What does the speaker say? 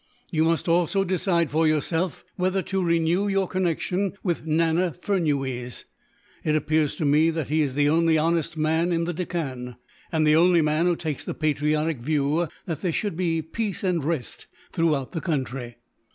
You must also decide, for yourself, whether to renew your connection with Nana Furnuwees. It appears to me that he is the only honest man in the Deccan, and the only man who takes the patriotic view that there should be peace and rest throughout the country.